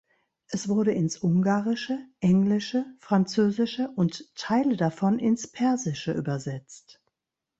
Es wurde ins Ungarische, Englische, Französische und Teile davon ins Persische übersetzt.